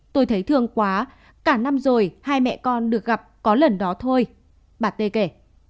tôi thấy thương quá cả năm rồi hai mẹ con được gặp có lần đó thôi bà t kể